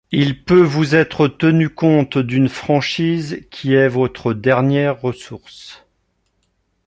Il peut vous être tenu compte d’une franchise qui est votre dernière ressource.